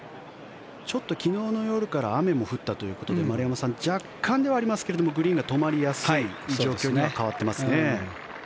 ちょっと昨日の夜から雨も降ったということで丸山さん、若干ではありますがグリーンが止まりやすい状況には変わってますね。